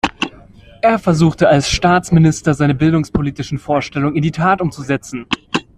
Er versuchte als Staatsminister, seine bildungspolitischen Vorstellungen in die Tat umzusetzen.